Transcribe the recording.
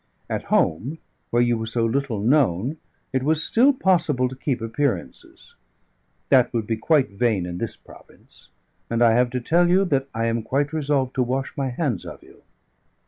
At home; where you were so little known, it was still possible to keep appearances; that would be quite vain in this province; and I have to tell you that I am quite resolved to wash my hands of you.